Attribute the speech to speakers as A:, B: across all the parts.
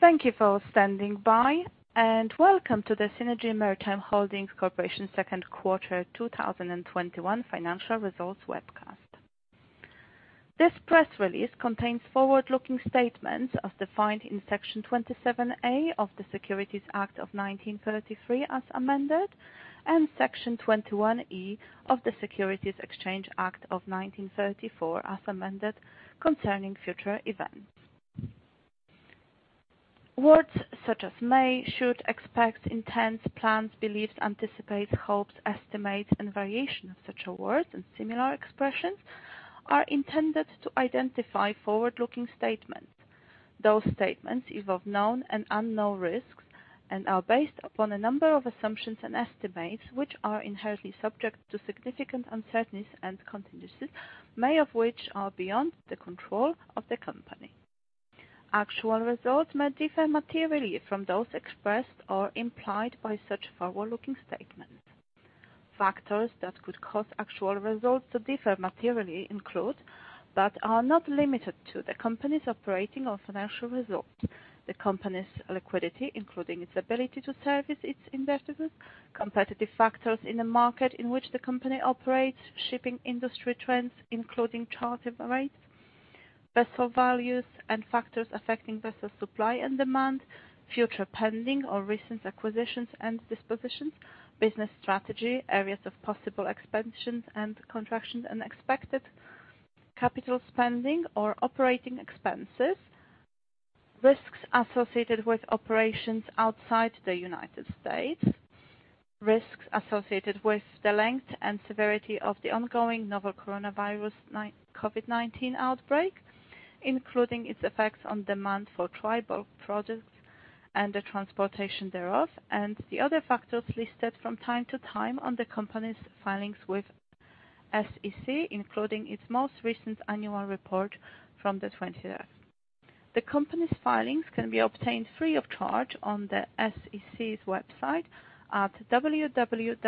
A: Thank you for standing by, and welcome to the Seanergy Maritime Holdings Corporation second quarter 2021 financial results webcast. This press release contains forward-looking statements as defined in Section 27A of the Securities Act of 1933 as amended, and Section 21E of the Securities Exchange Act of 1934 as amended concerning future events. Words such as may, should, expect, intends, plans, believes, anticipate, hopes, estimate and variation of such a word and similar expressions are intended to identify forward-looking statements. Those statements involve known and unknown risks and are based upon a number of assumptions and estimates, which are inherently subject to significant uncertainties and contingencies, many of which are beyond the control of the company. Actual results may differ materially from those expressed or implied by such forward-looking statements. Factors that could cause actual results to differ materially include, but are not limited to, the company's operating or financial results, the company's liquidity, including its ability to service its debt, competitive factors in the market in which the company operates, shipping industry trends, including charter rates, vessel values and factors affecting vessel supply and demand, future pending or recent acquisitions and dispositions, business strategy, areas of possible expansion and contraction and expected capital spending or operating expenses, risks associated with operations outside the United States, risks associated with the length and severity of the ongoing novel coronavirus COVID-19 outbreak, including its effects on demand for dry bulk products and the transportation thereof, and the other factors listed from time to time in the company's filings with the SEC, including its most recent Annual Report on Form 10-K. The company's filings can be obtained free of charge on the SEC's website at www.sec.gov.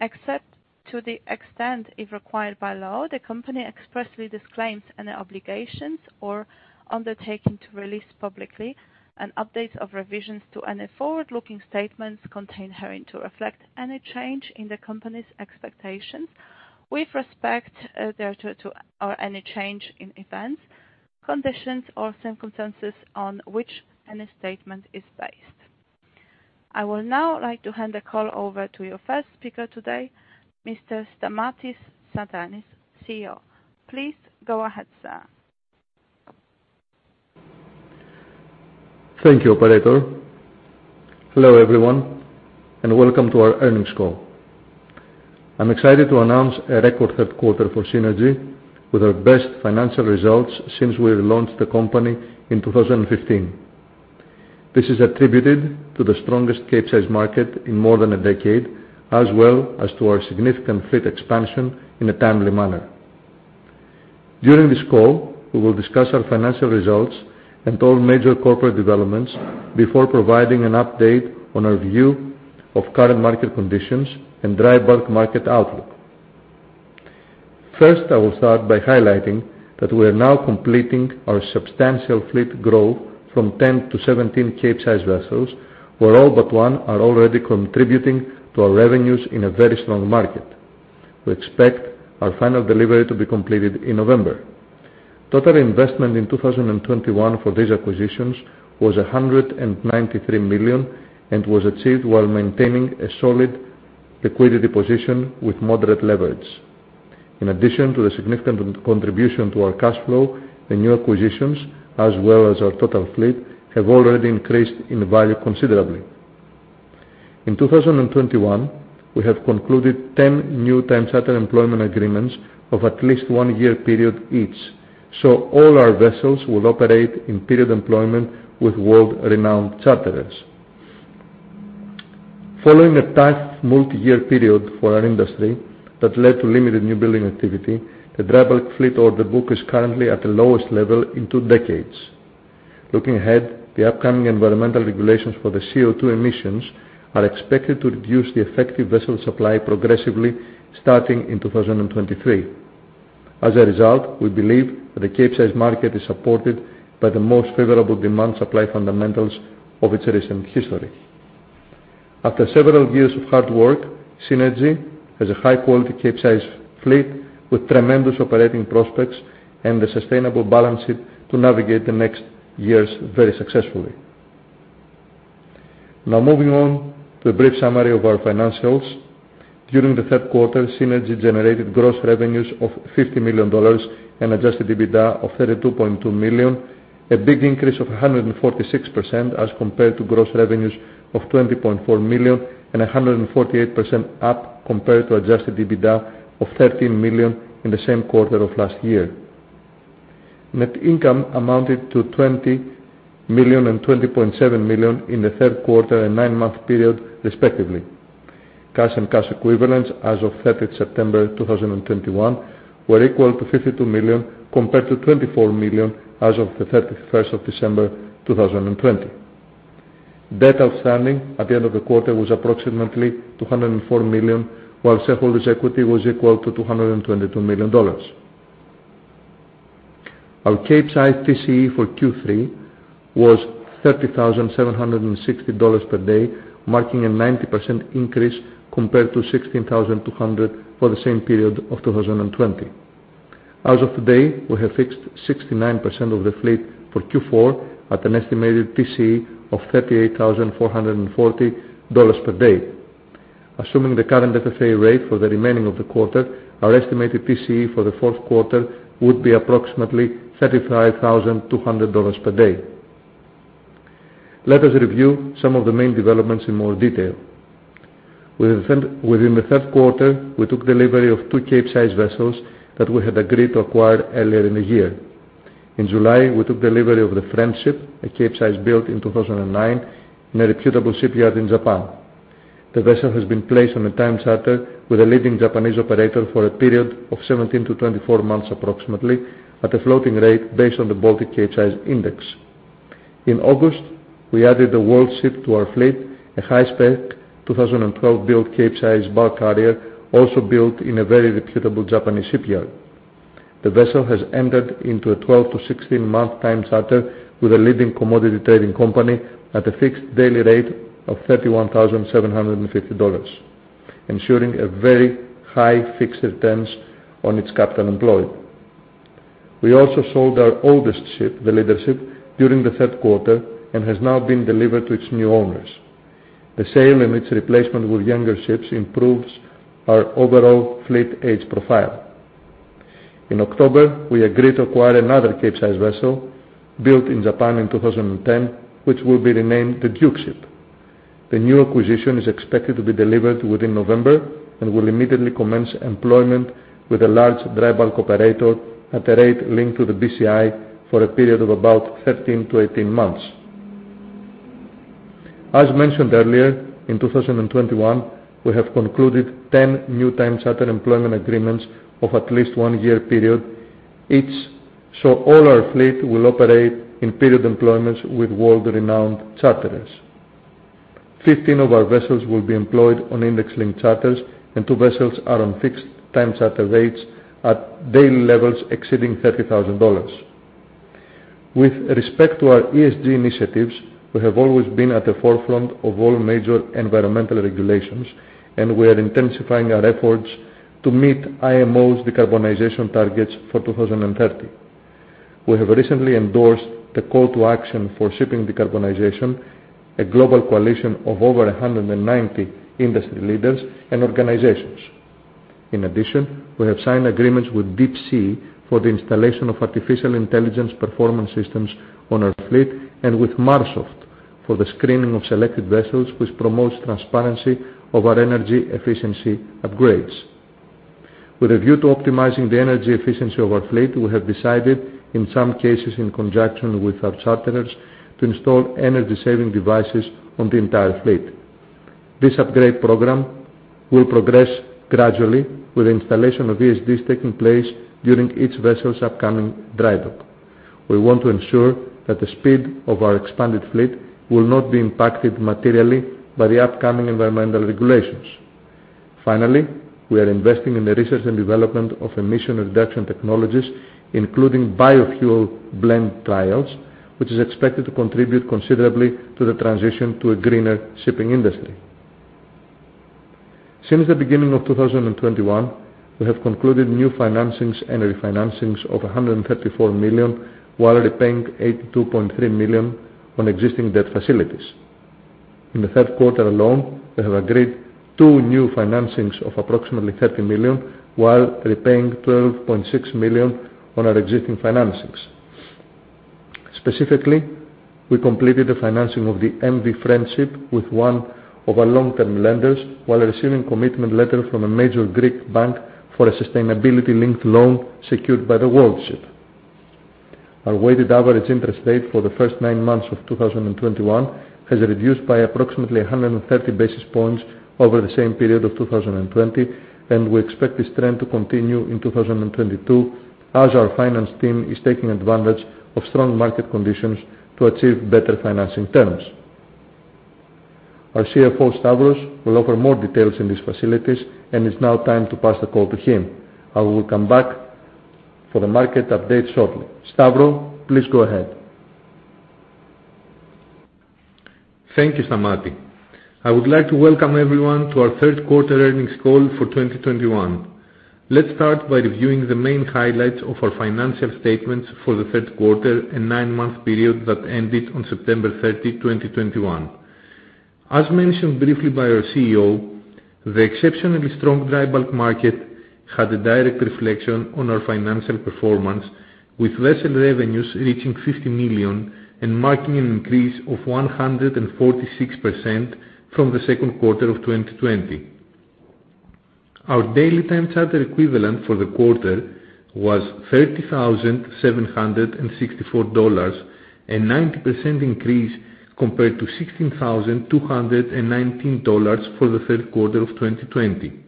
A: Except to the extent if required by law, the company expressly disclaims any obligations or undertaking to release publicly an update of revisions to any forward-looking statements contained herein to reflect any change in the company's expectations with respect thereto to or any change in events, conditions or circumstances on which any statement is based. I will now like to hand the call over to your first speaker today, Mr. Stamatis Tsantanis, CEO. Please go ahead, sir.
B: Thank you, operator. Hello, everyone, and welcome to our earnings call. I'm excited to announce a record third quarter for Seanergy with our best financial results since we relaunched the company in 2015. This is attributed to the strongest Capesize market in more than a decade, as well as to our significant fleet expansion in a timely manner. During this call, we will discuss our financial results and all major corporate developments before providing an update on our view of current market conditions and dry bulk market outlook. First, I will start by highlighting that we are now completing our substantial fleet growth from 10 to 17 Capesize vessels, where all but one are already contributing to our revenues in a very strong market. We expect our final delivery to be completed in November. Total investment in 2021 for these acquisitions was $193 million and was achieved while maintaining a solid liquidity position with moderate leverage. In addition to the significant contribution to our cash flow, the new acquisitions as well as our total fleet have already increased in value considerably. In 2021, we have concluded 10 new time charter employment agreements of at least one-year period each. All our vessels will operate in period employment with world-renowned charterers. Following a tough multi-year period for our industry that led to limited new building activity, the dry bulk fleet order book is currently at the lowest level in two decades. Looking ahead, the upcoming environmental regulations for the CO2 emissions are expected to reduce the effective vessel supply progressively starting in 2023. As a result, we believe that the Capesize market is supported by the most favorable demand supply fundamentals of its recent history. After several years of hard work, Seanergy has a high-quality Capesize fleet with tremendous operating prospects and a sustainable balance sheet to navigate the next years very successfully. Now moving on to a brief summary of our financials. During the third quarter, Seanergy generated gross revenues of $50 million and adjusted EBITDA of $32.2 million, a big increase of 146% as compared to gross revenues of $20.4 million and 148% up compared to adjusted EBITDA of $13 million in the same quarter of last year. Net income amounted to $20 million and $20.7 million in the third quarter and nine-month period, respectively. Cash and cash equivalents as of 30th September, 2021, were equal to $52 million compared to $24 million as of 31st December, 2020. Debt outstanding at the end of the quarter was approximately $204 million, while shareholders' equity was equal to $222 million. Our Capesize TCE for Q3 was $30,760 per day, marking a 90% increase compared to $16,200 for the same period of 2020. As of today, we have fixed 69% of the fleet for Q4 at an estimated TCE of $38,440 per day. Assuming the current FFA rate for the remainder of the quarter, our estimated TCE for the fourth quarter would be approximately $35,200 per day. Let us review some of the main developments in more detail. Within the third quarter, we took delivery of two Capesize vessels that we had agreed to acquire earlier in the year. In July, we took delivery of the Friendship, a Capesize built in 2009 in a reputable shipyard in Japan. The vessel has been placed on a time charter with a leading Japanese operator for a period of 17-24 months approximately at a floating rate based on the Baltic Capesize Index. In August, we added the Worldship to our fleet, a high-spec 2012 build Capesize bulk carrier, also built in a very reputable Japanese shipyard. The vessel has entered into a 12-16-month time charter with a leading commodity trading company at a fixed daily rate of $31,750, ensuring a very high fixed returns on its capital employed. We also sold our oldest ship, the Leadership, during the third quarter, and it has now been delivered to its new owners. The sale and its replacement with younger ships improves our overall fleet age profile. In October, we agreed to acquire another Capesize vessel built in Japan in 2010, which will be renamed the Dukeship. The new acquisition is expected to be delivered within November and will immediately commence employment with a large dry bulk operator at a rate linked to the BCI for a period of about 13-18 months. As mentioned earlier, in 2021, we have concluded 10 new time charter employment agreements of at least one-year period each, so all our fleet will operate in period employments with world-renowned charterers. 15 of our vessels will be employed on index-linked charters, and two vessels are on fixed time charter rates at daily levels exceeding $30,000. With respect to our ESG initiatives, we have always been at the forefront of all major environmental regulations, and we are intensifying our efforts to meet IMO's decarbonization targets for 2030. We have recently endorsed the call to action for shipping decarbonization, a global coalition of over 190 industry leaders and organizations. In addition, we have signed agreements with DeepSea for the installation of artificial intelligence performance systems on our fleet and with Marsoft for the screening of selected vessels, which promotes transparency of our energy efficiency upgrades. With a view to optimizing the energy efficiency of our fleet, we have decided, in some cases in conjunction with our charterers, to install energy-saving devices on the entire fleet. This upgrade program will progress gradually with the installation of ESDs taking place during each vessel's upcoming dry dock. We want to ensure that the speed of our expanded fleet will not be impacted materially by the upcoming environmental regulations. Finally, we are investing in the research and development of emission reduction technologies, including biofuel blend trials, which is expected to contribute considerably to the transition to a greener shipping industry. Since the beginning of 2021, we have concluded new financings and refinancings of $134 million, while repaying $82.3 million on existing debt facilities. In the third quarter alone, we have agreed two new financings of approximately $30 million, while repaying $12.6 million on our existing financings. Specifically, we completed the financing of the MV Friendship with one of our long-term lenders while receiving commitment letter from a major Greek bank for a sustainability-linked loan secured by the Worldship. Our weighted average interest rate for the first nine months of 2021 has reduced by approximately 130 basis points over the same period of 2020, and we expect this trend to continue in 2022 as our finance team is taking advantage of strong market conditions to achieve better financing terms. Our CFO, Stavros, will offer more details in these facilities, and it's now time to pass the call to him. I will come back for the market update shortly. Stavros, please go ahead.
C: Thank you, Stamatis. I would like to welcome everyone to our third quarter earnings call for 2021. Let's start by reviewing the main highlights of our financial statements for the third quarter and nine-month period that ended on September 30, 2021. As mentioned briefly by our CEO, the exceptionally strong dry bulk market had a direct reflection on our financial performance, with vessel revenues reaching $50 million and marking an increase of 146% from the second quarter of 2020. Our daily time charter equivalent for the quarter was $30,764, a 90% increase compared to $16,219 for the third quarter of 2020.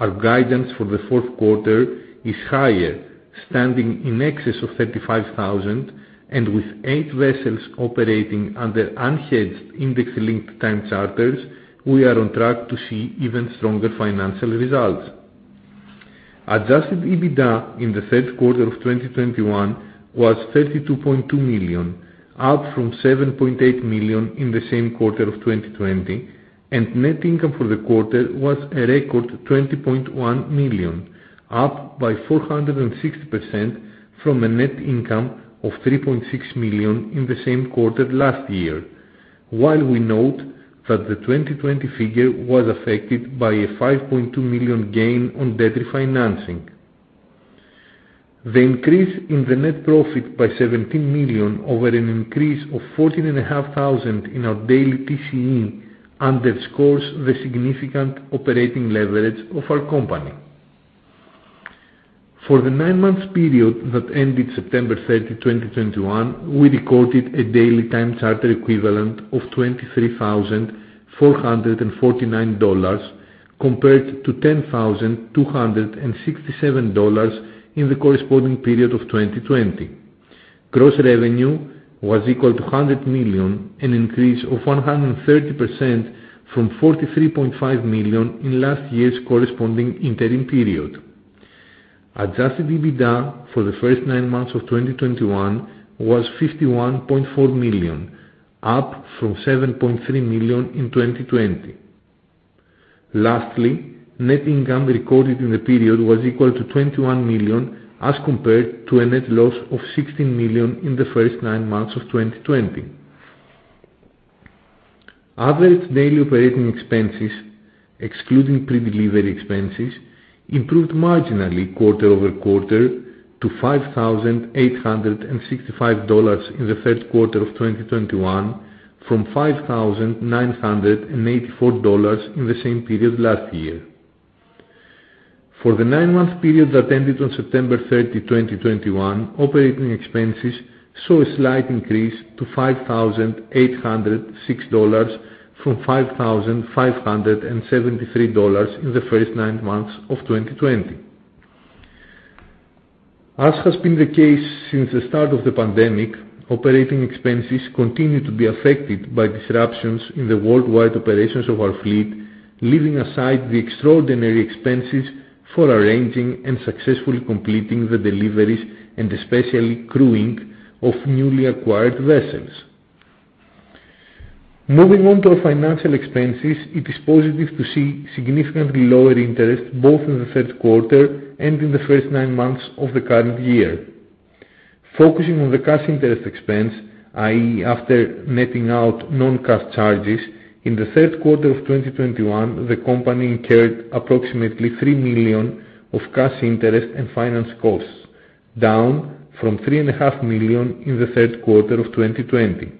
C: Our guidance for the fourth quarter is higher, standing in excess of $35,000 and with eight vessels operating under unhedged index-linked time charters, we are on track to see even stronger financial results. Adjusted EBITDA in the third quarter of 2021 was $32.2 million, up from $7.8 million in the same quarter of 2020. Net income for the quarter was a record $20.1 million, up by 460% from a net income of $3.6 million in the same quarter last year, while we note that the 2020 figure was affected by a $5.2 million gain on debt refinancing. The increase in the net profit by $17 million over an increase of $14,500 in our daily TCE underscores the significant operating leverage of our company. For the nine-month period that ended September 30, 2021, we recorded a daily time charter equivalent of $23,449 compared to $10,267 in the corresponding period of 2020. Gross revenue was equal to $100 million, an increase of 130% from $43.5 million in last year's corresponding interim period. Adjusted EBITDA for the first nine months of 2021 was $51.4 million, up from $7.3 million in 2020. Lastly, net income recorded in the period was equal to $21 million, as compared to a net loss of $16 million in the first nine months of 2020. Average daily operating expenses, excluding pre-delivery expenses, improved marginally quarter-over-quarter to $5,865 in the third quarter of 2021 from $5,984 in the same period last year. For the nine-month period that ended on September 30, 2021, operating expenses saw a slight increase to $5,806 from $5,573 in the first nine months of 2020. As has been the case since the start of the pandemic, operating expenses continue to be affected by disruptions in the worldwide operations of our fleet, leaving aside the extraordinary expenses for arranging and successfully completing the deliveries and especially crewing of newly acquired vessels. Moving on to our financial expenses, it is positive to see significantly lower interest both in the third quarter and in the first nine months of the current year. Focusing on the cash interest expense, i.e., after netting out non-cash charges, in the third quarter of 2021, the company incurred approximately $3 million of cash interest and finance costs, down from $3.5 million in the third quarter of 2020.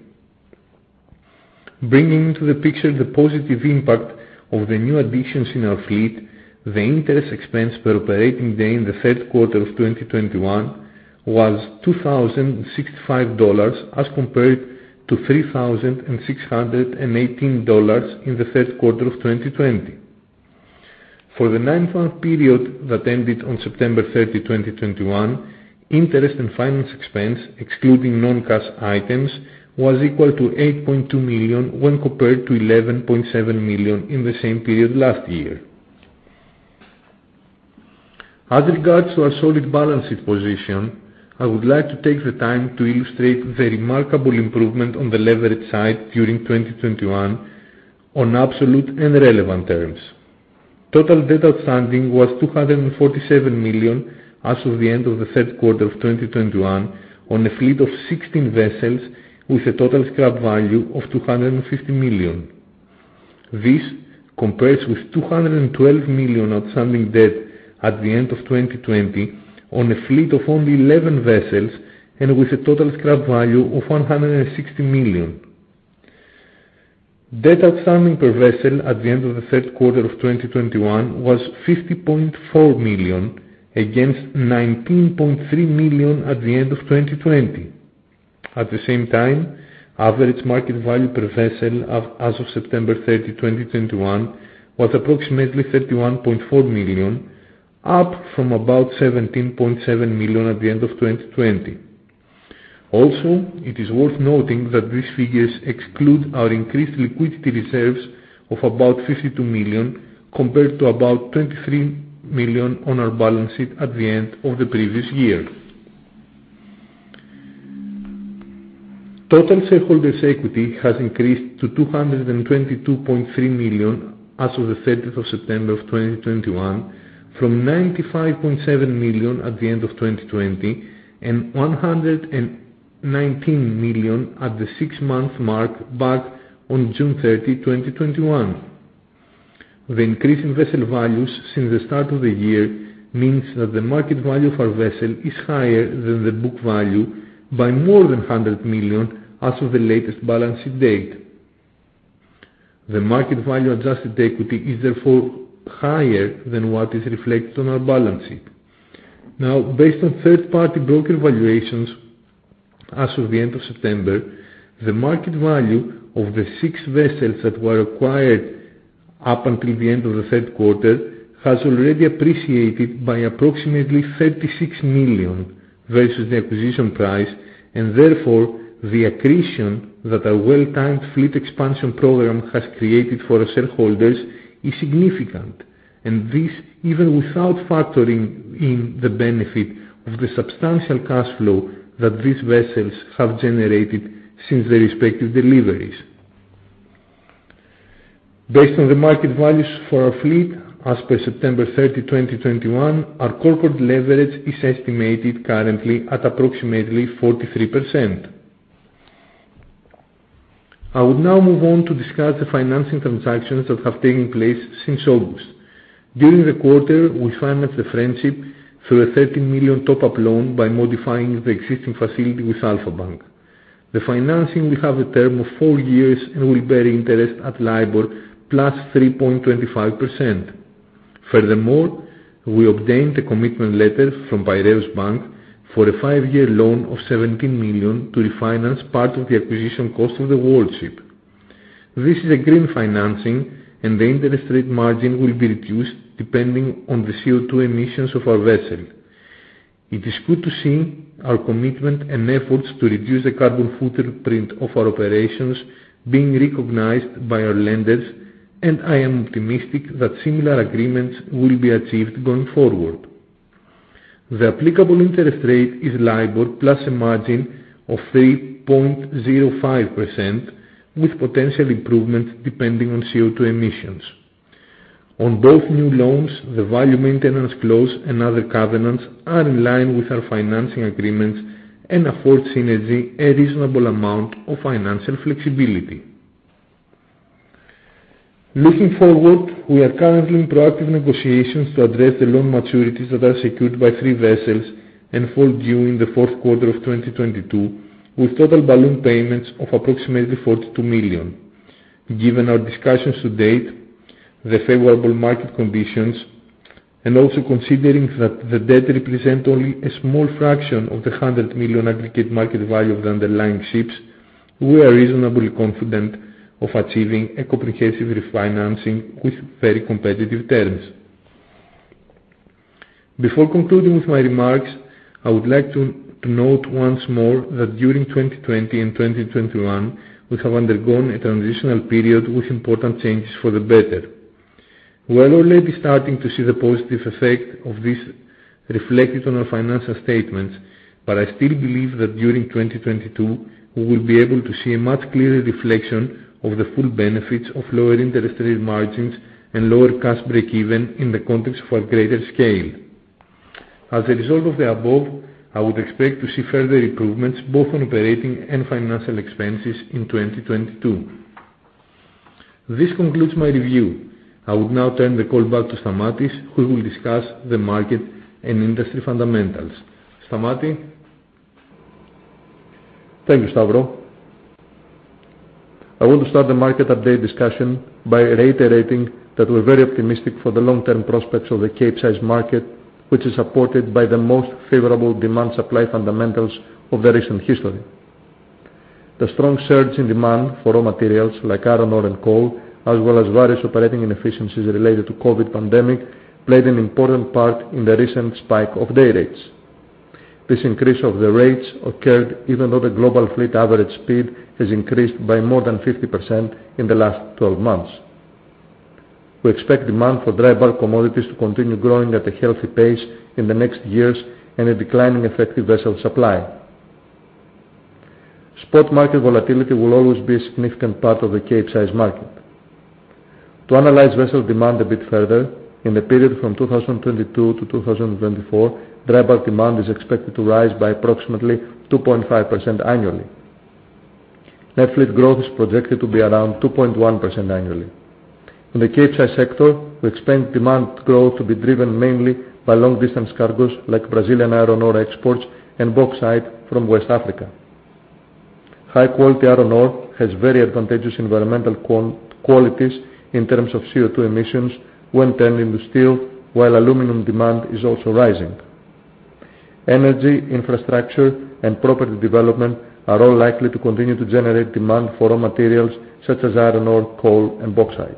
C: Bringing into the picture the positive impact of the new additions in our fleet, the interest expense per operating day in the third quarter of 2021 was $2,065, as compared to $3,618 in the third quarter of 2020. For the nine-month period that ended on September 30, 2021, interest and finance expense, excluding non-cash items, was equal to $8.2 million when compared to $11.7 million in the same period last year. As regards to our solid balance sheet position, I would like to take the time to illustrate the remarkable improvement on the leverage side during 2021 on absolute and relevant terms. Total debt outstanding was $247 million as of the end of the third quarter of 2021 on a fleet of 16 vessels with a total scrap value of $250 million. This compares with $212 million outstanding debt at the end of 2020 on a fleet of only 11 vessels and with a total scrap value of $160 million. Debt outstanding per vessel at the end of the third quarter of 2021 was $50.4 million against $19.3 million at the end of 2020. At the same time, average market value per vessel as of September 30, 2021 was approximately $31.4 million, up from about $17.7 million at the end of 2020. Also, it is worth noting that these figures exclude our increased liquidity reserves of about $52 million, compared to about $23 million on our balance sheet at the end of the previous year. Total shareholders equity has increased to $222.3 million as of the 30th of September 2021 from $95.7 million at the end of 2020 and $119 million at the six-month mark back on June 30, 2021. The increase in vessel values since the start of the year means that the market value of our vessel is higher than the book value by more than $100 million as of the latest balance sheet date. The market value adjusted equity is therefore higher than what is reflected on our balance sheet. Now, based on third-party broker valuations as of the end of September, the market value of the six vessels that were acquired up until the end of the third quarter has already appreciated by approximately $36 million versus the acquisition price, and therefore, the accretion that our well-timed fleet expansion program has created for our shareholders is significant, and this even without factoring in the benefit of the substantial cash flow that these vessels have generated since their respective deliveries. Based on the market values for our fleet as per September 30, 2021, our corporate leverage is estimated currently at approximately 43%. I would now move on to discuss the financing transactions that have taken place since August. During the quarter, we financed the Friendship through a $30 million top-up loan by modifying the existing facility with Alpha Bank. The financing will have a term of four years and will bear interest at LIBOR +3.25%. Furthermore, we obtained a commitment letter from Piraeus Bank for a five-year loan of $17 million to refinance part of the acquisition cost of the Worldship. This is a green financing, and the interest rate margin will be reduced depending on the CO2 emissions of our vessel. It is good to see our commitment and efforts to reduce the carbon footprint of our operations being recognized by our lenders, and I am optimistic that similar agreements will be achieved going forward. The applicable interest rate is LIBOR plus a margin of 3.05% with potential improvements depending on CO2 emissions. On both new loans, the value maintenance clause and other covenants are in line with our financing agreements and afford Seanergy a reasonable amount of financial flexibility. Looking forward, we are currently in proactive negotiations to address the loan maturities that are secured by three vessels and fall due in the fourth quarter of 2022, with total balloon payments of approximately $42 million. Given our discussions to date, the favorable market conditions, and also considering that the debt represent only a small fraction of the $100 million aggregate market value of the underlying ships, we are reasonably confident of achieving a comprehensive refinancing with very competitive terms. Before concluding with my remarks, I would like to note once more that during 2020 and 2021, we have undergone a transitional period with important changes for the better. We are already starting to see the positive effect of this reflected on our financial statements, but I still believe that during 2022, we will be able to see a much clearer reflection of the full benefits of lower interest rate margins and lower cost breakeven in the context of our greater scale. As a result of the above, I would expect to see further improvements both on operating and financial expenses in 2022. This concludes my review. I would now turn the call back to Stamatis, who will discuss the market and industry fundamentals. Stamatis?
B: Thank you, Stavros. I want to start the market update discussion by reiterating that we're very optimistic for the long-term prospects of the Capesize market, which is supported by the most favorable demand-supply fundamentals of the recent history. The strong surge in demand for raw materials like iron ore and coal, as well as various operating inefficiencies related to COVID pandemic, played an important part in the recent spike of day rates. This increase of the rates occurred even though the global fleet average speed has increased by more than 50% in the last 12 months. We expect demand for dry bulk commodities to continue growing at a healthy pace in the next years and a decline in effective vessel supply. Spot market volatility will always be a significant part of the Capesize market. To analyze vessel demand a bit further, in the period from 2022 to 2024, dry bulk demand is expected to rise by approximately 2.5% annually. Net fleet growth is projected to be around 2.1% annually. In the Capesize sector, we expect demand growth to be driven mainly by long-distance cargoes like Brazilian iron ore exports and bauxite from West Africa. High-quality iron ore has very advantageous environmental qualities in terms of CO2 emissions when turned into steel, while aluminum demand is also rising. Energy, infrastructure, and property development are all likely to continue to generate demand for raw materials such as iron ore, coal, and bauxite.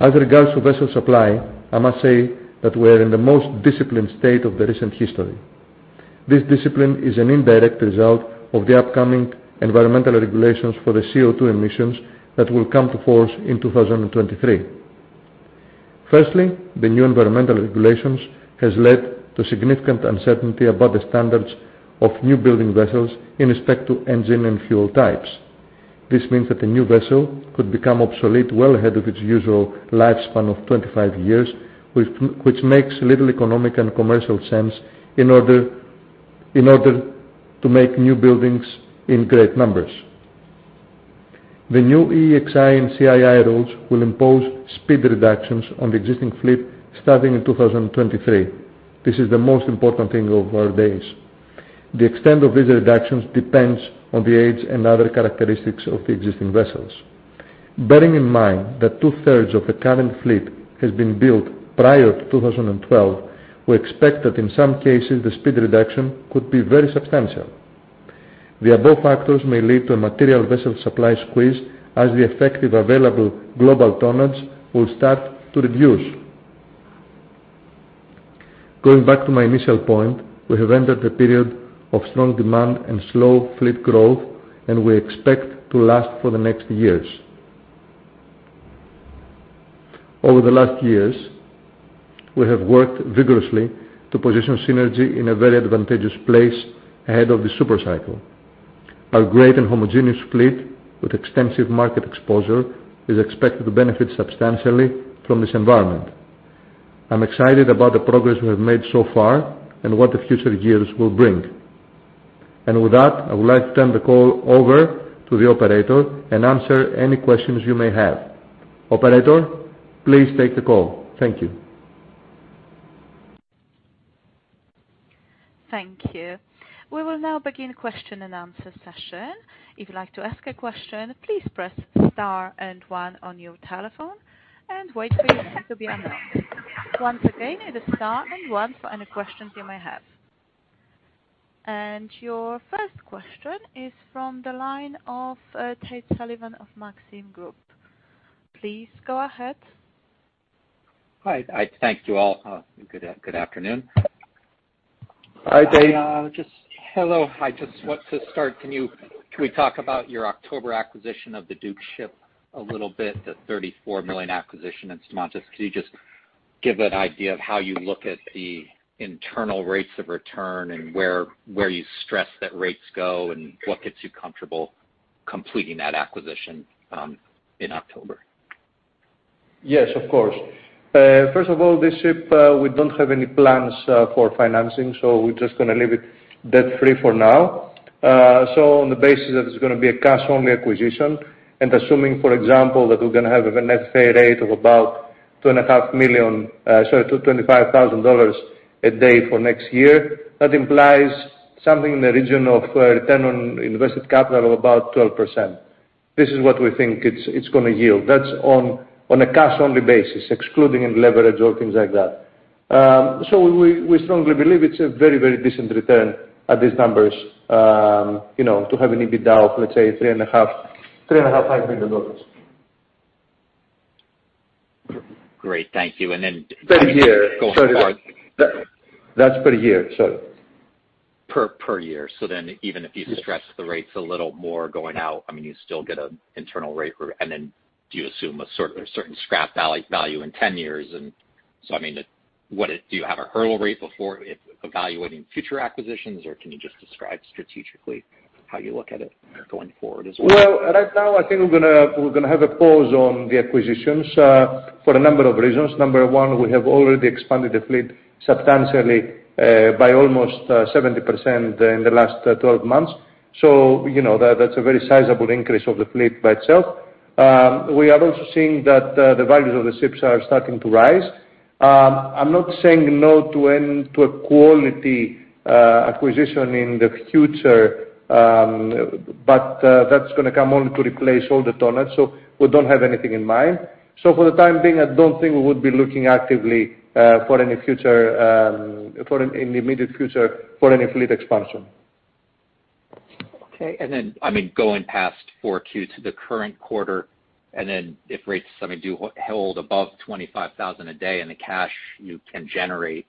B: As regards to vessel supply, I must say that we are in the most disciplined state of the recent history. This discipline is an indirect result of the upcoming environmental regulations for the CO2 emissions that will come to force in 2023. Firstly, the new environmental regulations has led to significant uncertainty about the standards of new-building vessels in respect to engine and fuel types. This means that the new vessel could become obsolete well ahead of its usual lifespan of 25 years, which makes little economic and commercial sense in order to make new buildings in great numbers. The new EEXI and CII rules will impose speed reductions on the existing fleet starting in 2023. This is the most important thing of our days. The extent of these reductions depends on the age and other characteristics of the existing vessels. Bearing in mind that 2/3 of the current fleet has been built prior to 2012, we expect that in some cases the speed reduction could be very substantial. The above factors may lead to a material vessel supply squeeze as the effective available global tonnage will start to reduce. Going back to my initial point, we have entered a period of strong demand and slow fleet growth, and we expect to last for the next years. Over the last years, we have worked vigorously to position Seanergy in a very advantageous place ahead of the super cycle. Our great and homogeneous fleet with extensive market exposure is expected to benefit substantially from this environment. I'm excited about the progress we have made so far and what the future years will bring. With that, I would like to turn the call over to the operator and answer any questions you may have. Operator, please take the call. Thank you.
A: Thank you. We will now begin question-and-answer session. If you'd like to ask a question, please press star and one on your telephone and wait for your name to be announced. Once again, hit star and one for any questions you may have. Your first question is from the line of, Tate Sullivan of Maxim Group. Please go ahead.
D: Hi. I thank you all. Good afternoon.
B: Hi, Tate.
D: Hello. I just want to start. Can we talk about your October acquisition of the Dukeship a little bit, the $34 million acquisition in Stamatis? Can you just give an idea of how you look at the internal rates of return and where you stress that rates go and what gets you comfortable completing that acquisition in October?
B: Yes, of course. First of all, this ship, we don't have any plans for financing, so we're just gonna leave it debt-free for now. So on the basis that it's gonna be a cash-only acquisition, and assuming, for example, that we're gonna have a net fare rate of about $2.5 million, sorry, $25,000 a day for next year, that implies something in the region of return on invested capital of about 12%. This is what we think it's gonna yield. That's on a cash-only basis, excluding any leverage or things like that. So we strongly believe it's a very decent return at these numbers, you know, to have an EBITDA of, let's say, $3.5 million-$5 million.
D: Great. Thank you. Going forward.
B: Per year. Sorry. That's per year, sorry.
D: Per year. Even if you stress the rates a little more going out, I mean, you still get an internal rate for it. Do you assume a certain scrap value in 10 years? I mean, do you have a hurdle rate before evaluating future acquisitions, or can you just describe strategically how you look at it going forward as well?
B: Well, right now I think we're gonna have a pause on the acquisitions for a number of reasons. Number one, we have already expanded the fleet substantially by almost 70% in the last 12 months. You know that that's a very sizable increase of the fleet by itself. We are also seeing that the values of the ships are starting to rise. I'm not saying no to a quality acquisition in the future, but that's gonna come only to replace older tonnage, so we don't have anything in mind. For the time being, I don't think we would be looking actively for any fleet expansion in the immediate future.
D: Okay, I mean, going past 4Q to the current quarter, and then if rates, I mean, do hold above $25,000 a day and the cash you can generate,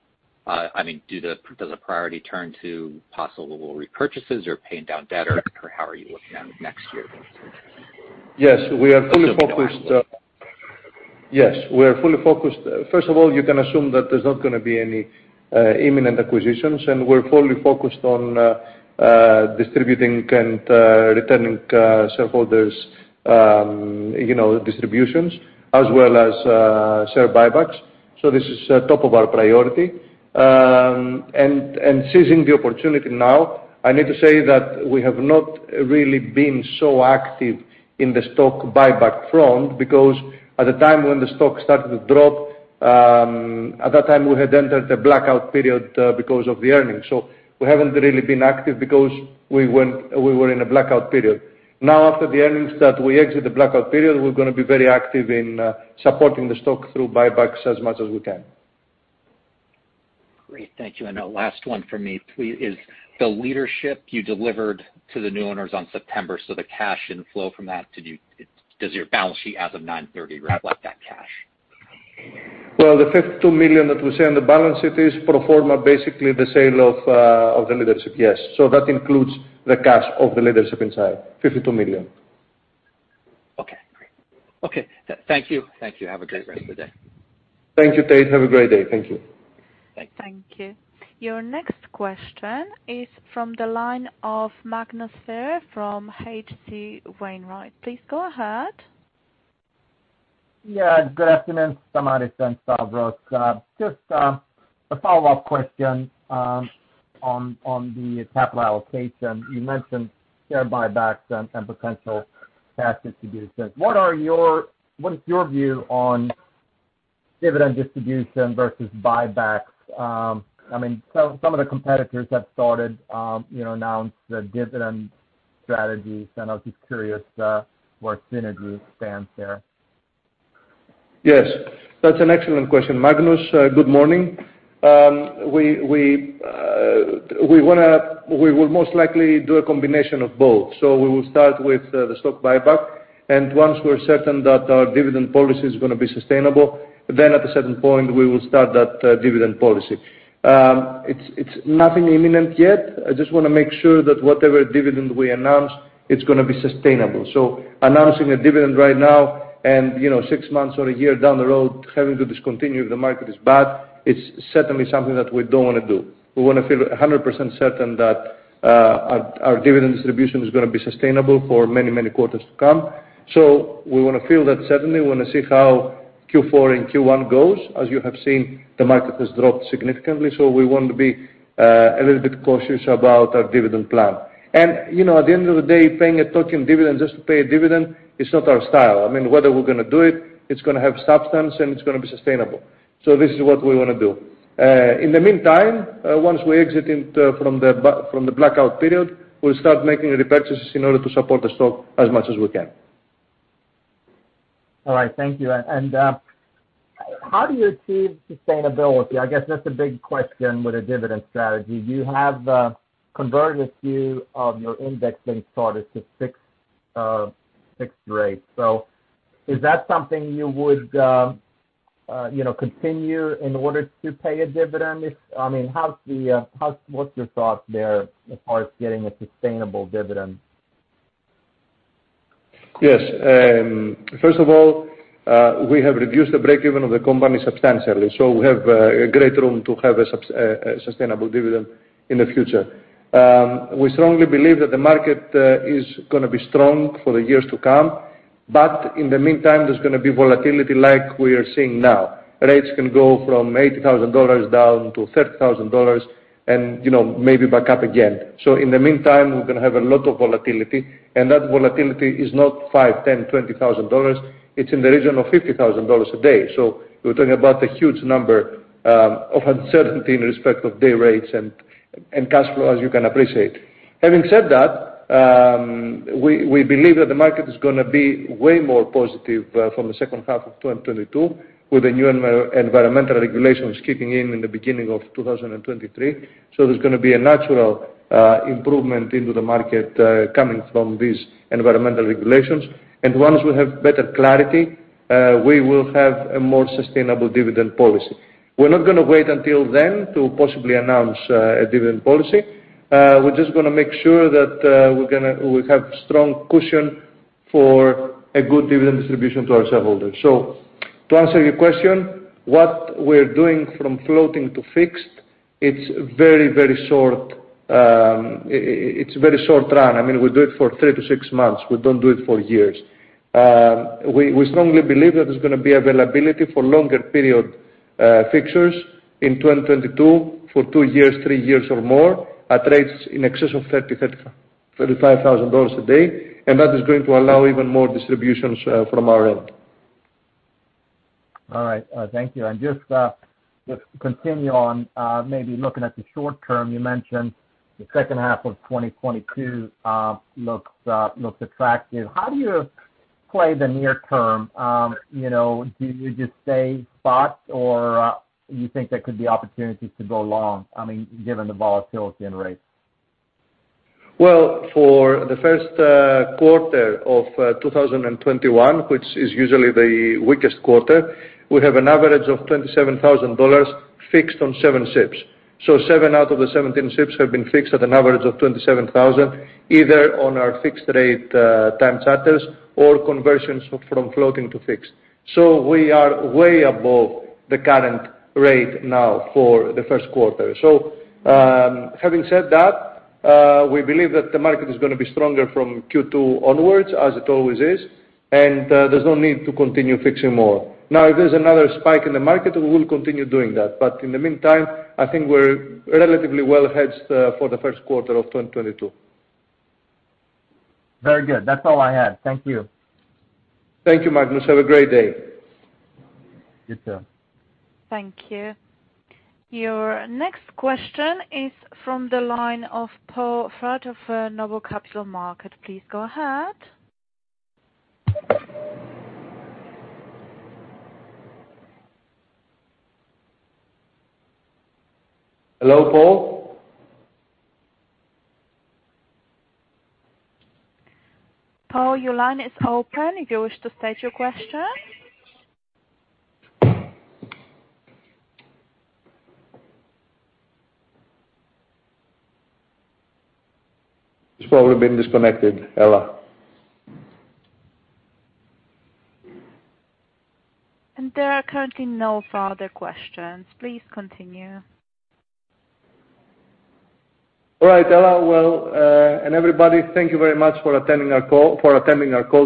D: I mean, does the priority turn to possible repurchases or paying down debt, or how are you looking at next year in terms of
B: Yes, we are fully focused. First of all, you can assume that there's not gonna be any imminent acquisitions, and we're fully focused on distributing and returning to shareholders, you know, distributions as well as share buybacks. This is our top priority, and seizing the opportunity now, I need to say that we have not really been so active in the stock buyback front because at the time when the stock started to drop, at that time, we had entered a blackout period because of the earnings. We haven't really been active because we were in a blackout period. Now, after the earnings, we exit the blackout period. We're gonna be very active in supporting the stock through buybacks as much as we can.
D: Great. Thank you. Now last one for me please is the Leadership you delivered to the new owners on September, so the cash inflow from that, does your balance sheet as of 9/30 reflect that cash?
B: Well, the $52 million that we see on the balance sheet is pro forma, basically the sale of the Leadership, yes. That includes the cash of the Leadership inside, $52 million.
D: Okay. Great. Okay. Thank you. Thank you. Have a great rest of the day.
B: Thank you, Tate. Have a great day. Thank you.
D: Thank you.
A: Thank you. Your next question is from the line of Magnus Fyhr from H.C. Wainwright. Please go ahead.
E: Yeah, good afternoon, Stamatis and Stavros. Just a follow-up question on the capital allocation. You mentioned share buybacks and potential cash distributions. What is your view on dividend distribution versus buybacks. I mean, some of the competitors have started announcing the dividend strategies, and I was just curious where Seanergy stands there.
B: Yes, that's an excellent question. Magnus, good morning. We will most likely do a combination of both. We will start with the stock buyback, and once we're certain that our dividend policy is gonna be sustainable, then at a certain point, we will start that dividend policy. It's nothing imminent yet. I just wanna make sure that whatever dividend we announce, it's gonna be sustainable. Announcing a dividend right now and, you know, six months or a year down the road, having to discontinue if the market is bad, it's certainly something that we don't wanna do. We wanna feel 100% certain that our dividend distribution is gonna be sustainable for many quarters to come. We wanna feel that certainly when I see how Q4 and Q1 goes. As you have seen, the market has dropped significantly, so we want to be a little bit cautious about our dividend plan. You know, at the end of the day, paying a token dividend just to pay a dividend is not our style. I mean, whether we're gonna do it's gonna have substance, and it's gonna be sustainable. This is what we wanna do. In the meantime, once we exit from the blackout period, we'll start making repurchases in order to support the stock as much as we can.
E: All right. Thank you. How do you achieve sustainability? I guess that's the big question with a dividend strategy. Have you converted a few of your index-linked products to fixed rates? Is that something you would, you know, continue in order to pay a dividend? I mean, what's your thoughts there as far as getting a sustainable dividend?
B: Yes. First of all, we have reduced the break-even of the company substantially, so we have a great room to have a sustainable dividend in the future. We strongly believe that the market is gonna be strong for the years to come. In the meantime, there's gonna be volatility like we are seeing now. Rates can go from $80,000 down to $30,000 and, you know, maybe back up again. In the meantime, we're gonna have a lot of volatility, and that volatility is not $5,000, $10,000, $20,000, it's in the region of $50,000 a day. We're talking about a huge number of uncertainty in respect of day rates and cash flow, as you can appreciate. Having said that, we believe that the market is gonna be way more positive from the second half of 2022, with the new environmental regulations kicking in in the beginning of 2023. There's gonna be a natural improvement into the market coming from these environmental regulations. Once we have better clarity, we will have a more sustainable dividend policy. We're not gonna wait until then to possibly announce a dividend policy. We're just gonna make sure that we're gonna have strong cushion for a good dividend distribution to our shareholders. To answer your question, what we're doing from floating to fixed, it's very, very short, it's very short run. I mean, we do it for three to six months. We don't do it for years. We strongly believe that there's gonna be availability for longer period fixers in 2022 for two years, three years or more at rates in excess of $35,000 a day, and that is going to allow even more distributions from our end.
E: All right. Thank you. Just to continue on, maybe looking at the short term, you mentioned the second half of 2022 looks attractive. How do you play the near term? You know, do you just stay spot or you think there could be opportunities to go long, I mean, given the volatility and rates?
B: Well, for the first quarter of 2021, which is usually the weakest quarter, we have an average of $27,000 fixed on seven ships. Seven out of the 17 ships have been fixed at an average of $27,000, either on our fixed rate time charters or conversions from floating to fixed. We are way above the current rate now for the first quarter. Having said that, we believe that the market is gonna be stronger from Q2 onwards, as it always is, and there's no need to continue fixing more. Now, if there's another spike in the market, we will continue doing that. In the meantime, I think we're relatively well-hedged for the first quarter of 2022.
E: Very good. That's all I had. Thank you.
B: Thank you, Magnus. Have a great day.
E: You too.
A: Thank you. Your next question is from the line of Poe Fratt for Noble Capital Markets. Please go ahead.
B: Hello, Paul?
A: Paul, your line is open if you wish to state your question.
B: He's probably been disconnected, Ella.
A: There are currently no further questions. Please continue.
B: All right, Ella, well, and everybody, thank you very much for attending our call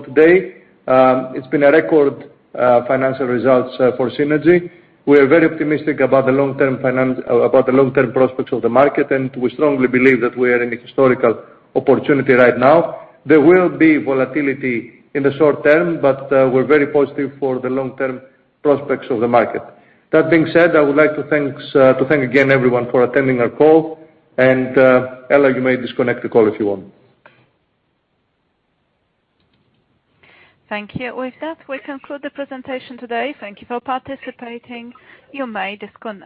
B: today. It's been a record financial results for Seanergy. We are very optimistic about the long-term prospects of the market, and we strongly believe that we are in a historical opportunity right now. There will be volatility in the short term, but we're very positive for the long-term prospects of the market. That being said, I would like to thank again everyone for attending our call, and Ella, you may disconnect the call if you want.
A: Thank you. With that, we conclude the presentation today. Thank you for participating. You may disconnect now.